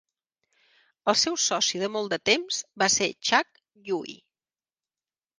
El seu soci de molt de temps va ser Chak Yui.